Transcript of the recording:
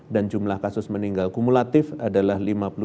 dan jumlah kasus meninggal kumulatif adalah lima puluh dua